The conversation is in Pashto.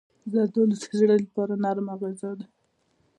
زردالو د زړه لپاره نرم غذا ده.